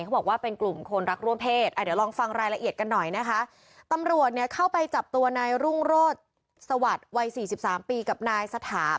เขาบอกว่าเป็นกลุ่มคนรักร่วมเพศอ่ะเดี๋ยวลองฟังรายละเอียดกันหน่อยนะคะตำรวจเนี่ยเข้าไปจับตัวนายรุ่งโรศสวัสดิ์วัยสี่สิบสามปีกับนายสถา